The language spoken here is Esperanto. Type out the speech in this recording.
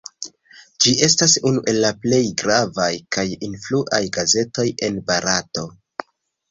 Ĝi estas unu el la plej gravaj kaj influaj gazetoj en Barato.